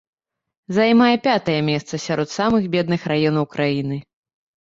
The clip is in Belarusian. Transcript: Займае пятае месца сярод самых бедных раёнаў краіны.